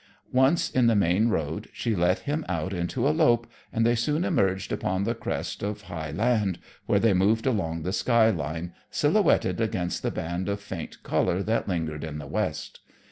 Once in the main road, she let him out into a lope, and they soon emerged upon the crest of high land, where they moved along the skyline, silhouetted against the band of faint color that lingered in the west.